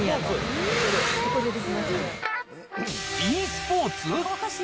ｅスポーツ施設。